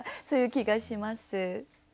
そういう気がします。